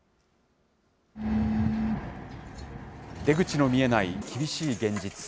出口の見えない厳しい現実。